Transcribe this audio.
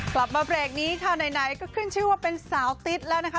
กลับมาเบรกนี้ค่ะไหนก็ขึ้นชื่อว่าเป็นสาวติ๊ดแล้วนะคะ